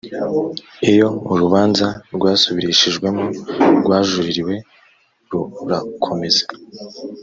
iyo urubanza rwasubirishijwemo rwajuririwe rurakomeza